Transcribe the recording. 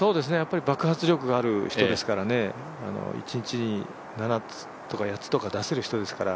爆発力がある人ですから一日に７つとか８つとか出せる人ですから。